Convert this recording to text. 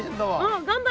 うん。